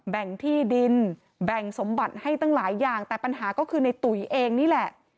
แบ่งที่ดินแบ่งสมบัติให้ตั้งหลายอย่างแต่ปัญหาก็คือในตุ๋ยเองนี่แหละ